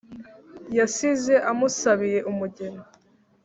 yasize amusabiye umugeni